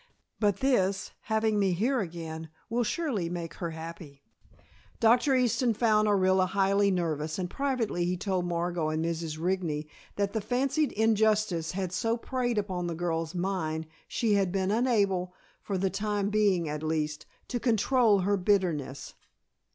"But this, having me here again, will surely make her happy." Dr. Easton found Orilla highly nervous, and privately he told Margot and Mrs. Rigney that the fancied injustice had so preyed upon the girl's mind she had been unable, for the time being at least, to control her bitterness.